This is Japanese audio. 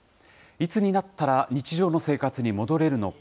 いつになったら日常の生活に戻れるのか。